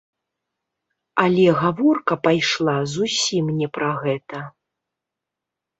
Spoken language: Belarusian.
Але гаворка пайшла зусім не пра гэта.